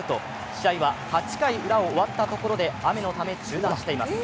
試合は８回裏終わったところで雨のため中断しています。